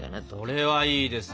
これはいいですね。